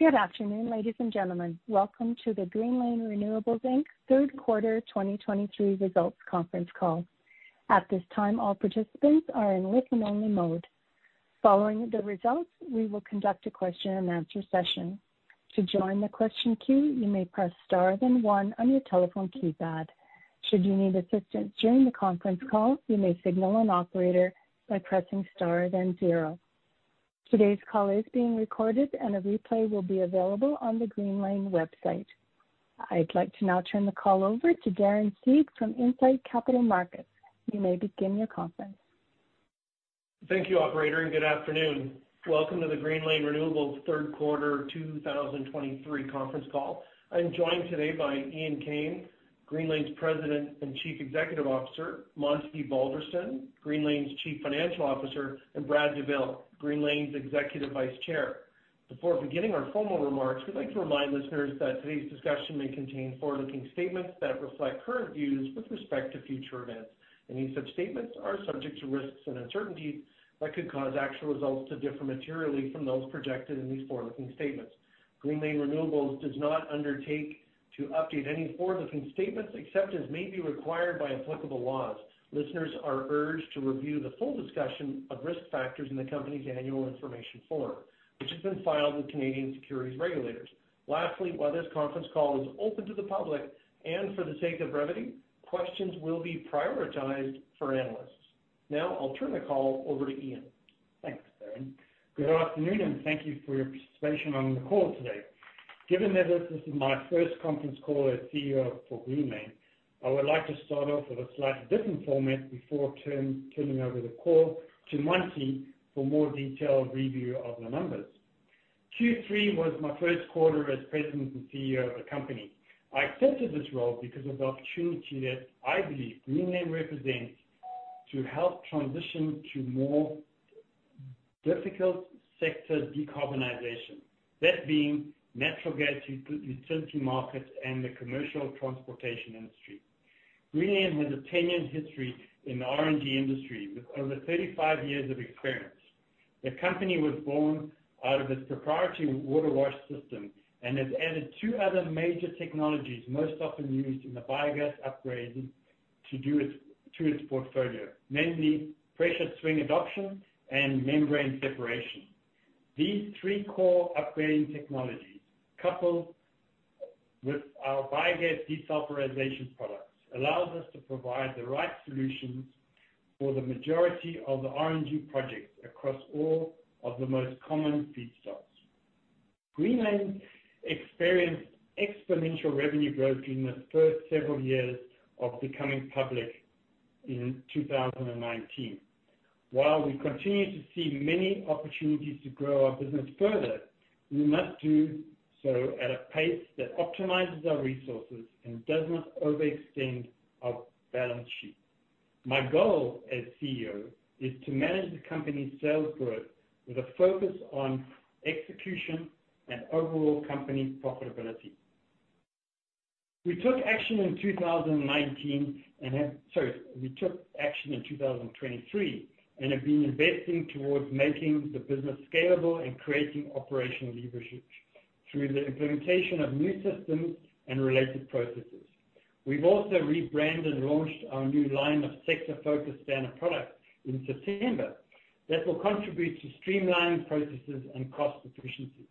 Good afternoon, ladies and gentlemen. Welcome to the Greenlane Renewables Inc.'s third quarter 2023 results conference call. At this time, all participants are in listen-only mode. Following the results, we will conduct a question-and-answer session. To join the question queue, you may press star then one on your telephone keypad. Should you need assistance during the conference call, you may signal an operator by pressing star then zero. Today's call is being recorded, and a replay will be available on the Greenlane website. I'd like to now turn the call over to Darren Seed from Incite Capital Markets. You may begin your conference. Thank you, operator, and good afternoon. Welcome to the Greenlane Renewables third quarter 2023 conference call. I'm joined today by Ian Kane, Greenlane's President and Chief Executive Officer, Monty Balderston, Greenlane's Chief Financial Officer, and Brad Douville, Greenlane's Executive Vice Chair. Before beginning our formal remarks, we'd like to remind listeners that today's discussion may contain forward-looking statements that reflect current views with respect to future events. Any such statements are subject to risks and uncertainties that could cause actual results to differ materially from those projected in these forward-looking statements. Greenlane Renewables does not undertake to update any forward-looking statements except as may be required by applicable laws. Listeners are urged to review the full discussion of risk factors in the company's Annual Information Form, which has been filed with Canadian securities regulators. Lastly, while this conference call is open to the public, and for the sake of brevity, questions will be prioritized for analysts. Now, I'll turn the call over to Ian. Thanks, Darren. Good afternoon, and thank you for your participation on the call today. Given that this is my first conference call as CEO for Greenlane, I would like to start off with a slightly different format before turning over the call to Monty for more detailed review of the numbers. Q3 was my first quarter as President and CEO of the company. I accepted this role because of the opportunity that I believe Greenlane represents to help transition to more difficult sector decarbonization, that being natural gas utility market and the commercial transportation industry. Greenlane has a 10-year history in the RNG industry with over 35 years of experience. The company was born out of its proprietary water wash system and has added two other major technologies, most often used in the biogas upgrading to its portfolio, namely pressure swing adsorption and membrane separation. These three core upgrading technologies, coupled with our biogas desulfurization products, allows us to provide the right solutions for the majority of the RNG projects across all of the most common feedstocks. Greenlane experienced exponential revenue growth in the first several years of becoming public in 2019. While we continue to see many opportunities to grow our business further, we must do so at a pace that optimizes our resources and does not overextend our balance sheet. My goal as CEO is to manage the company's sales growth with a focus on execution and overall company profitability. We took action in 2019, and have... Sorry, we took action in 2023 and have been investing towards making the business scalable and creating operational leverage through the implementation of new systems and related processes. We've also rebranded and launched our new line of sector-focused standard products in September that will contribute to streamlined processes and cost efficiencies.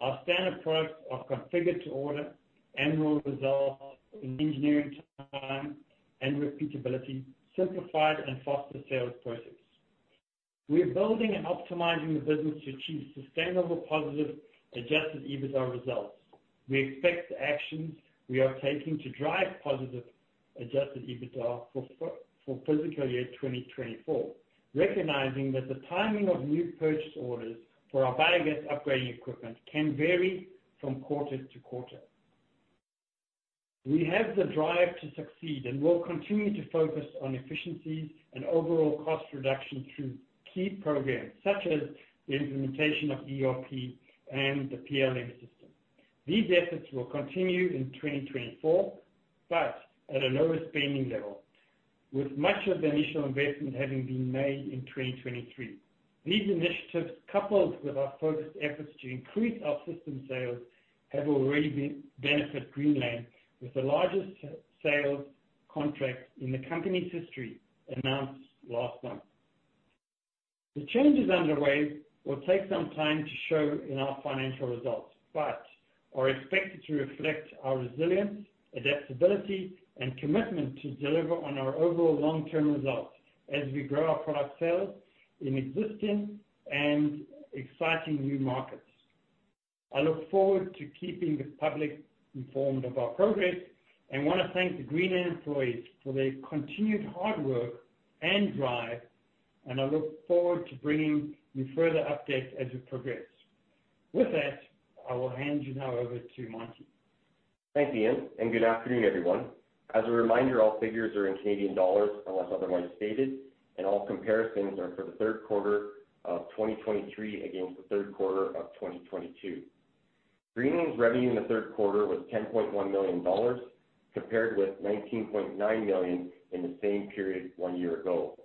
Our standard products are configured to order and will result in engineering time and repeatability, simplified and faster sales process. We are building and optimizing the business to achieve sustainable, positive, Adjusted EBITDA results. We expect the actions we are taking to drive positive Adjusted EBITDA for FY 2024, recognizing that the timing of new purchase orders for our biogas upgrading equipment can vary from quarter to quarter. We have the drive to succeed and will continue to focus on efficiencies and overall cost reduction through key programs, such as the implementation of ERP and the PLM system. These efforts will continue in 2024, but at a lower spending level, with much of the initial investment having been made in 2023. These initiatives, coupled with our focused efforts to increase our system sales, have already benefited Greenlane, with the largest sales contract in the company's history announced last month. The changes underway will take some time to show in our financial results, but are expected to reflect our resilience, adaptability, and commitment to deliver on our overall long-term results as we grow our product sales in existing and exciting new markets. I look forward to keeping the public informed of our progress and want to thank the Greenlane employees for their continued hard work and drive, and I look forward to bringing you further updates as we progress. With that, I will hand you now over to Monty. Thanks, Ian, and good afternoon, everyone. As a reminder, all figures are in Canadian dollars, unless otherwise stated, and all comparisons are for the third quarter of 2023 against the third quarter of 2022. Greenlane's revenue in the third quarter was 10.1 million dollars, compared with 19.9 million in the same period one year ago.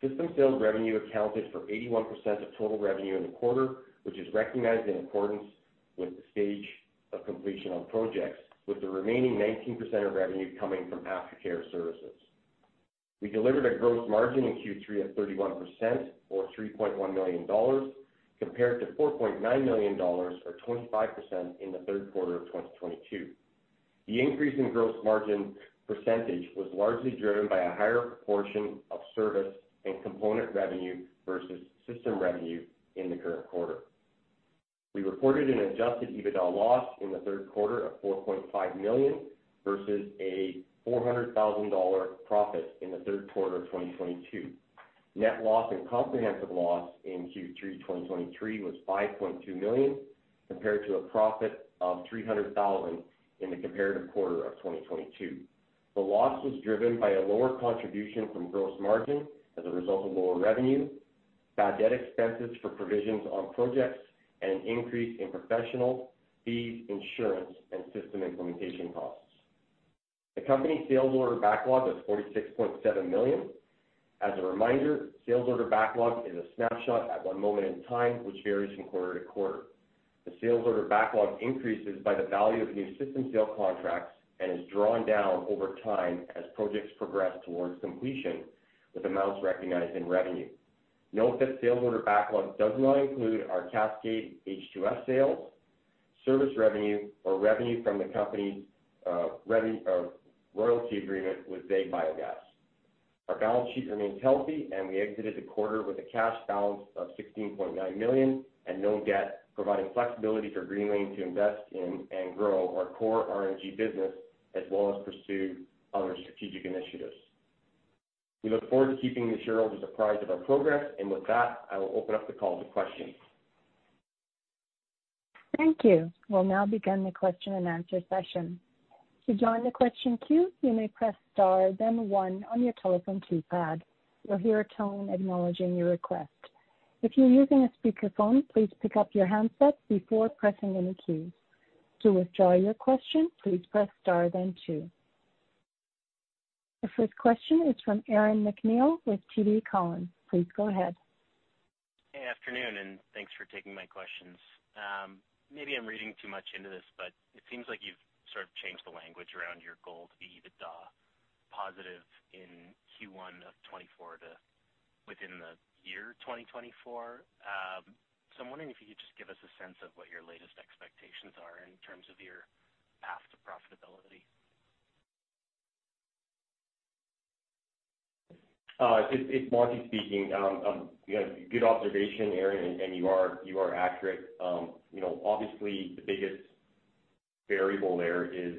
System sales revenue accounted for 81% of total revenue in the quarter, which is recognized in accordance with the stage of completion on projects, with the remaining 19% of revenue coming from aftercare services. We delivered a gross margin in Q3 of 31%, or 3.1 million dollars, compared to 4.9 million dollars, or 25%, in the third quarter of 2022. The increase in gross margin percentage was largely driven by a higher proportion of service and component revenue versus system revenue in the current quarter. We reported an Adjusted EBITDA loss in the third quarter of 4.5 million, versus a 400,000 dollar profit in the third quarter of 2022. Net loss and comprehensive loss in Q3 2023 was 5.2 million, compared to a profit of 300,000 in the comparative quarter of 2022. The loss was driven by a lower contribution from gross margin as a result of lower revenue, bad debt expenses for provisions on projects, and an increase in professional fees, insurance, and system implementation costs. The company's Sales Order Backlog was 46.7 million. As a reminder, Sales Order Backlog is a snapshot at one moment in time, which varies from quarter to quarter. The Sales Order Backlog increases by the value of new system sale contracts and is drawn down over time as projects progress towards completion, with amounts recognized in revenue. Note that Sales Order Backlog does not include our Cascade H2S sales, service revenue, or revenue from the company's royalty agreement with ZEG Biogás. Our balance sheet remains healthy, and we exited the quarter with a cash balance of 16.9 million and no debt, providing flexibility for Greenlane to invest in and grow our core RNG business, as well as pursue other strategic initiatives. We look forward to keeping the shareholders apprised of our progress. With that, I will open up the call to questions. Thank you. We'll now begin the question-and-answer session. To join the question queue, you may press star then 1 on your telephone keypad. You'll hear a tone acknowledging your request. If you're using a speakerphone, please pick up your handset before pressing any keys. To withdraw your question, please press star then 2. The first question is from Aaron MacNeil with TD Cowen. Please go ahead. Hey, afternoon, and thanks for taking my questions. Maybe I'm reading too much into this, but it seems like you've sort of changed the language around your goal to be EBITDA positive in Q1 of 2024 to within the year 2024. So, I'm wondering if you could just give us a sense of what your latest expectations are in terms of your path to profitability. It's Monty speaking. Yeah, good observation, Aaron, and you are accurate. You know, obviously, the biggest variable there is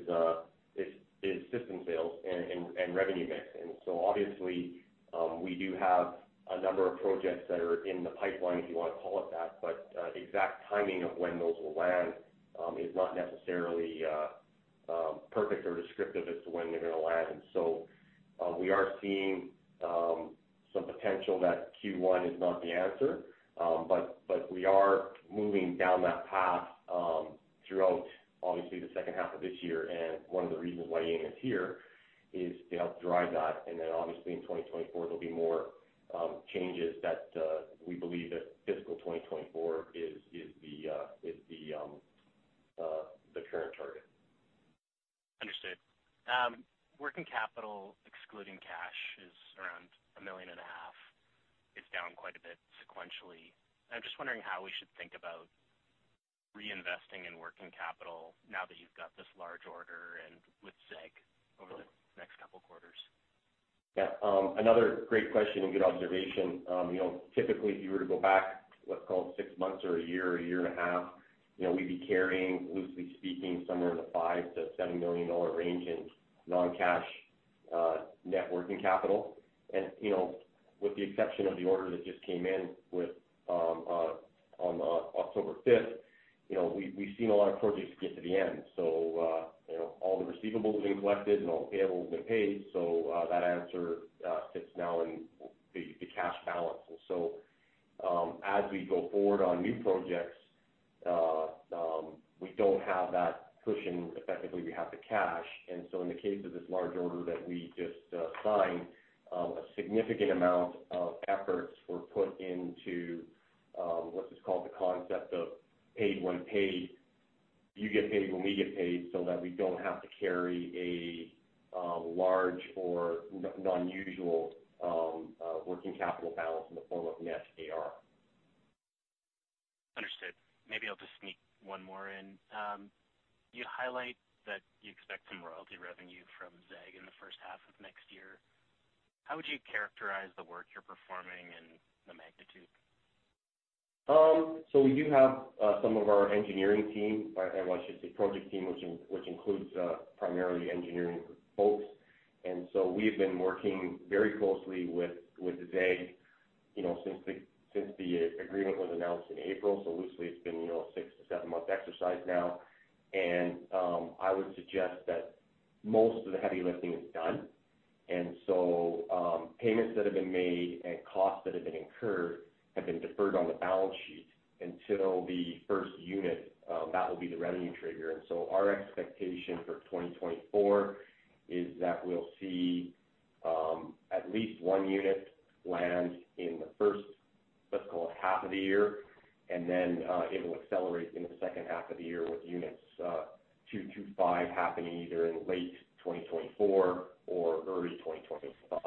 system sales and revenue mixing. So obviously, we do have a number of projects that are in the pipeline, if you want to call it that, but the exact timing of when those will land is not necessarily perfect or descriptive as to when they're going to land. And so, we are seeing some potential that Q1 is not the answer, but we are moving down that path throughout, obviously, the second half of this year. And one of the reasons why Ian is here is to help drive that. And then obviously in 2024, there'll be more changes that we believe that FY 2024 is the current target. Understood. Working capital, excluding cash, is around 1.5 million. It's down quite a bit sequentially. I'm just wondering how we should think about reinvesting in working capital now that you've got this large order and with ZEG over the next couple quarters. Yeah. Another great question and good observation. You know, typically, if you were to go back, let's call it six months or a year, a year and a half, you know, we'd be carrying, loosely speaking, somewhere in the 5-10 million dollar range in non-cash net working capital. And, you know, with the exception of the order that just came in with, on, October fifth, you know, we've seen a lot of projects get to the end. So, you know, all the receivables have been collected and all the payables have been paid, so, that answer sits now in the cash balance. And so, as we go forward on new projects, we don't have that cushion. Effectively, we have the cash. And so in the case of this large order that we just signed, a significant amount of efforts were put into what is called the concept of paid when paid. You get paid when we get paid, so that we don't have to carry a large or non-usual working capital balance in the form of net AR. Understood. Maybe I'll just sneak one more in. You highlight that you expect some royalty revenue from ZEG in the first half of next year. How would you characterize the work you're performing and the magnitude? So we do have some of our engineering team, or I should say, project team, which includes primarily engineering folks. And so we've been working very closely with ZEG, you know, since the agreement was announced in April. So loosely, it's been, you know, a 6-7-month exercise now. I would suggest that most of the heavy lifting is done. And so payments that have been made and costs that have been incurred have been deferred on the balance sheet until the first unit that will be the revenue trigger. And so our expectation for 2024 is that we'll see at least one unit land in the first-... Let's call it half of the year, and then, it will accelerate in the second half of the year with units 2-5 happening either in late 2024 or early 2025.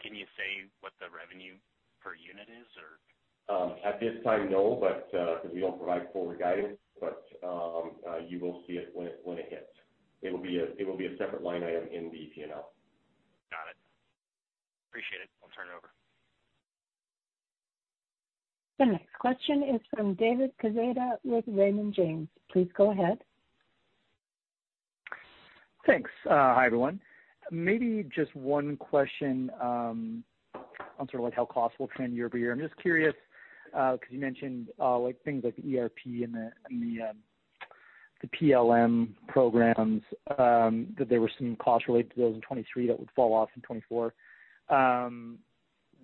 Can you say what the revenue per unit is, or? At this time, no, but because we don't provide forward guidance, but you will see it when it hits. It will be a separate line item in the P&L. Got it. Appreciate it. I'll turn it over. The next question is from David Quezada with Raymond James. Please go ahead. Thanks. Hi, everyone. Maybe just one question on sort of like how costs will trend year-over-year. I'm just curious because you mentioned like things like the ERP and the PLM programs that there were some costs related to those in 2023 that would fall off in 2024.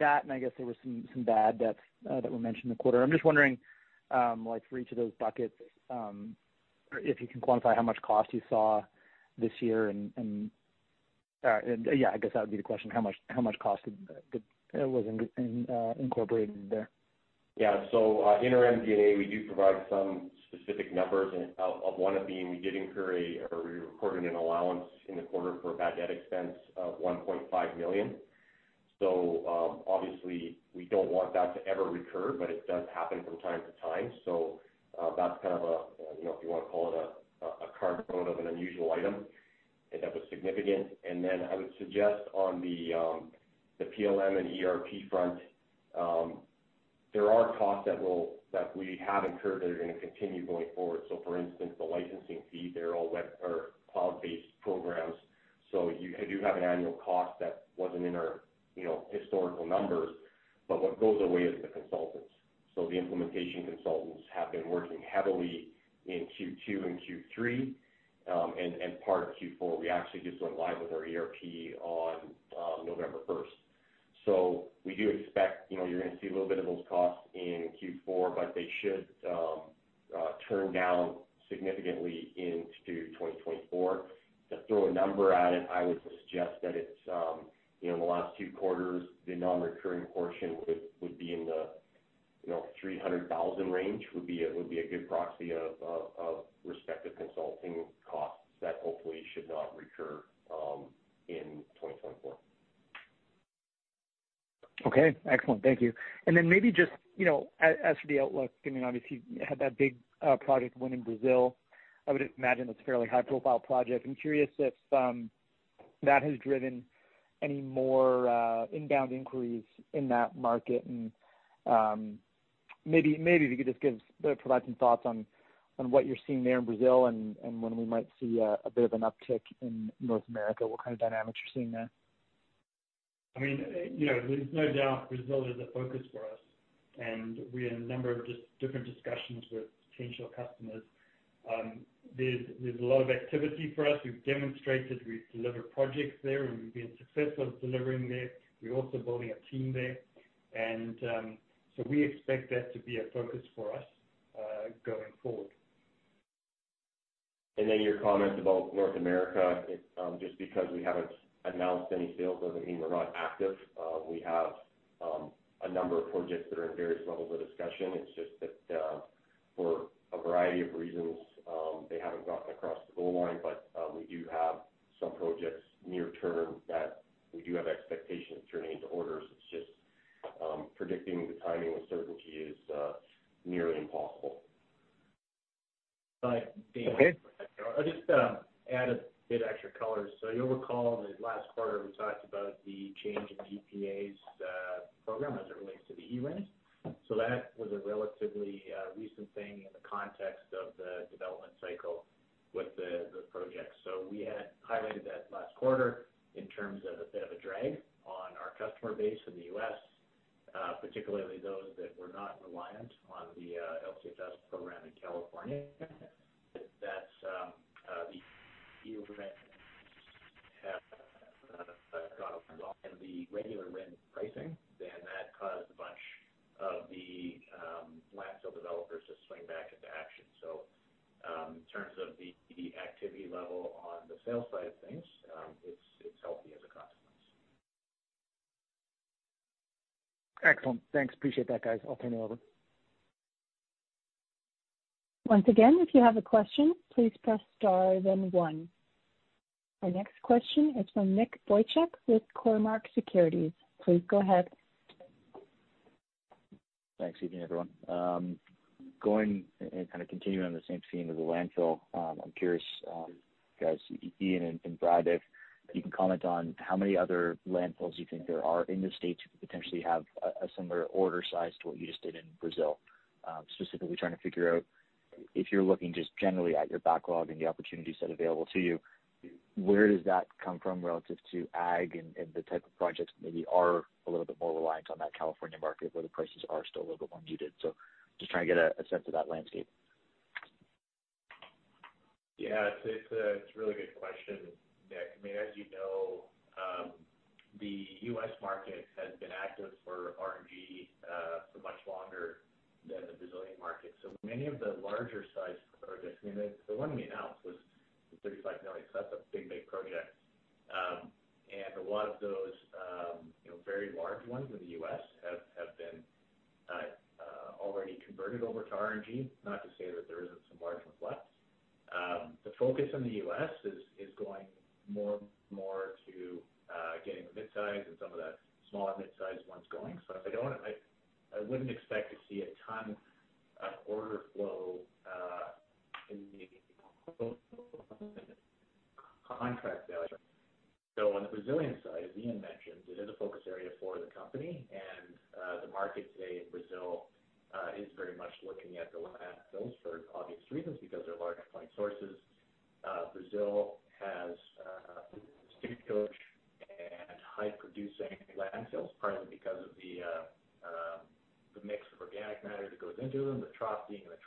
That, and I guess there were some bad debts that were mentioned in the quarter. I'm just wondering like for each of those buckets if you can quantify how much cost you saw this year and yeah, I guess that would be the question: how much cost was incorporated there? Yeah. So, in our MDA, we do provide some specific numbers, and one of it being, we did incur, or we recorded an allowance in the quarter for a bad debt expense of 1.5 million. So, obviously, we don't want that to ever recur, but it does happen from time to time. So, that's kind of a, you know, if you wanna call it a component of an unusual item, if that was significant. And then I would suggest on the PLM and ERP front, there are costs that we have incurred that are gonna continue going forward. So for instance, the licensing fee, they're all web or cloud-based programs. So you do have an annual cost that wasn't in our, you know, historical numbers. But what goes away is the consultants. So the implementation consultants have been working heavily in Q2 and Q3, and part of Q4. We actually just went live with our ERP on November 1. So we do expect, you know, you're gonna see a little bit of those costs in Q4, but they should turn down significantly into 2024. To throw a number at it, I would suggest that it's, you know, in the last two quarters, the non-recurring portion would be in the 300,000 range, would be a good proxy of respective consulting costs that hopefully should not recur in 2024. Okay, excellent. Thank you. And then maybe just, you know, as for the outlook, I mean, obviously, you had that big project win in Brazil. I would imagine it's a fairly high-profile project. I'm curious if that has driven any more inbound inquiries in that market, and maybe if you could just give, provide some thoughts on what you're seeing there in Brazil and when we might see a bit of an uptick in North America, what kind of dynamics you're seeing there? I mean, you know, there's no doubt Brazil is a focus for us, and we are in a number of just different discussions with potential customers. There's a lot of activity for us. We've demonstrated, we've delivered projects there, and we've been successful in delivering there. We're also building a team there, and so we expect that to be a focus for us, going forward. And then your comment about North America, just because we haven't announced any sales doesn't mean we're not active. We have a number of projects that are in various levels of discussion. It's just that, for a variety of reasons, they haven't gotten across the goal line. But we do have some projects near term that we do have expectations turning into orders. It's just, predicting the timing with certainty is nearly impossible. Hi, Dave. Okay. I'll just add a bit extra color. So you'll recall in the last quarter, we talked about the change in EPA's program as it relates to the E-RIN. So that was a relatively recent thing in the context of the development cycle with the project. So, we had highlighted that last quarter in terms of a bit of a drag on our customer base in the U.S., particularly those that were not reliant on the LCFS program in California. That they have gone off and the regular RIN pricing, then that caused a bunch of the landfill developers to swing back into action. So, in terms of the activity level on the sales side of things, it's healthy as a consequence. Excellent. Thanks. Appreciate that, guys. I'll turn it over. Once again, if you have a question, please press Star, then 1. Our next question is from Nick Boychuk with Cormark Securities. Please go ahead. Thanks. Evening, everyone. Going and kind of continuing on the same theme of the landfill, I'm curious, guys, Ian and Brad, if you can comment on how many other landfills you think there are in the States that could potentially have a similar order size to what you just did in Brazil? Specifically trying to figure out if you're looking just generally at your backlog and the opportunities that are available to you, where does that come from relative to ag and the type of projects that maybe are a little bit more reliant on that California market, where the prices are still a little bit more muted? So just trying to get a sense of that landscape. Yeah, it's a, it's a really good question, Nick. I mean, as you know, the U.S. market has been active for RNG for much longer- So many of the larger size projects, I mean, the one we announced was 35 million. So that's a big, big project. And a lot of those, you know, very large ones in the U.S. have been already converted over to RNG. Not to say that there isn't some large ones left. The focus in the U.S. is going more to getting the mid-size and some of that smaller mid-size ones going. So I wouldn't expect to see a ton of order flow in the contract value. So on the Brazilian side, as Ian mentioned, it is a focus area for the company and the market today in Brazil is very much looking at the landfills for obvious reasons, because they're large point sources. Brazil has steep slopes and high-producing landfills, partly because of the mix of organic matter that goes into them, the tropic being in the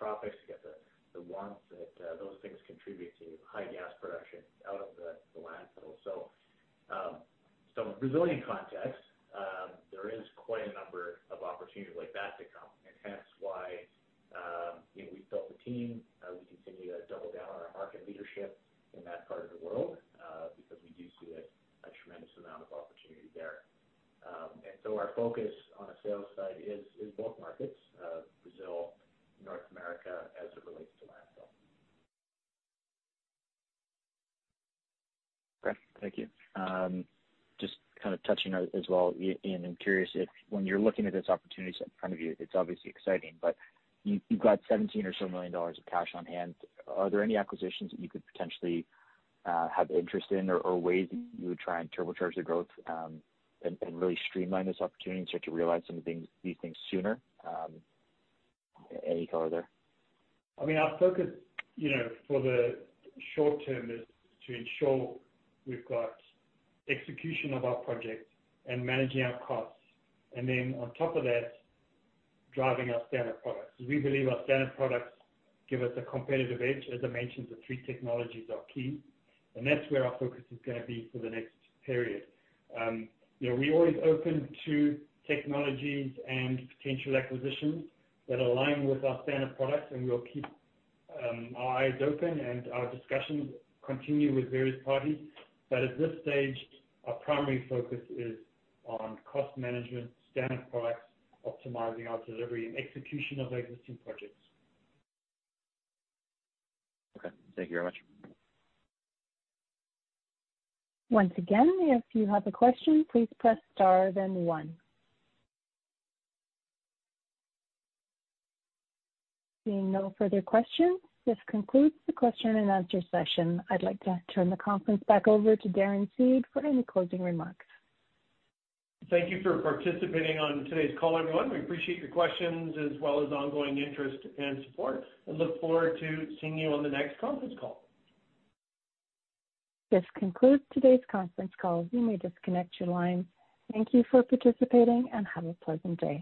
tropics. You get the warmth that those things contribute to high gas production out of the landfill. So, in the Brazilian context, there is quite a number of opportunities like that to come, and hence why, you know, we built the team. We continue to double down on our market leadership in that part of the world, because we do see a tremendous amount of opportunity there. And so our focus on the sales side is both markets, Brazil, North America, as it relates to landfill. Okay, thank you. Just kind of touching on as well, Ian, I'm curious if when you're looking at this opportunity in front of you, it's obviously exciting, but you, you've got 17 or so million of cash on hand. Are there any acquisitions that you could potentially have interest in or, or ways that you would try and turbocharge the growth, and, and really streamline this opportunity and start to realize some of the things, these things sooner? Any color there? I mean, our focus, you know, for the short term is to ensure we've got execution of our projects and managing our costs, and then on top of that, driving our standard products. We believe our standard products give us a competitive edge. As I mentioned, the three technologies are key, and that's where our focus is gonna be for the next period. You know, we're always open to technologies and potential acquisitions that align with our standard products, and we'll keep our eyes open and our discussions continue with various parties. But at this stage, our primary focus is on cost management, standard products, optimizing our delivery and execution of existing projects. Okay, thank you very much. Once again, if you have a question, please press Star, then 1. Seeing no further questions, this concludes the question-and-answer session. I'd like to turn the conference back over to Darren Seed for any closing remarks. Thank you for participating on today's call, everyone. We appreciate your questions as well as ongoing interest and support, and look forward to seeing you on the next conference call. This concludes today's conference call. You may disconnect your line. Thank you for participating and have a pleasant day.